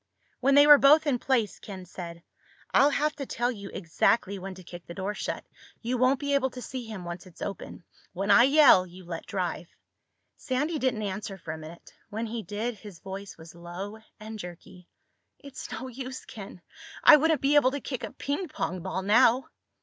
When they were both in place, Ken said, "I'll have to tell you exactly when to kick the door shut. You won't be able to see him, once it's open. When I yell, you let drive." Sandy didn't answer for a minute. When he did, his voice was low and jerky. "It's no use, Ken. I wouldn't be able to kick a ping pong ball now."